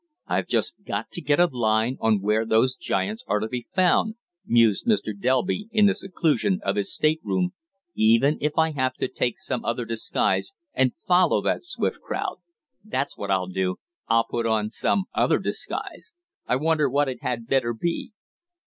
"I've just got to get a line on where those giants are to be found," mused Mr. Delby, in the seclusion of his stateroom, "even if I have to take some other disguise and follow that Swift crowd. That's what I'll do. I'll put on some other disguise! I wonder what it had better be?"